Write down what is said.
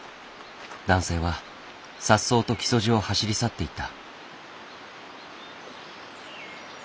男性はさっそうと木曽路を走り去っていった。